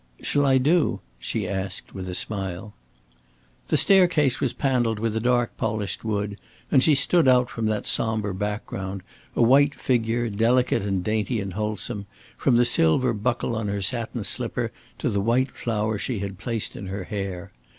"Shall I do?" she asked, with a smile. The staircase was paneled with a dark polished wood, and she stood out from that somber background, a white figure, delicate and dainty and wholesome, from the silver buckle on her satin slipper to the white flower she had placed in her hair.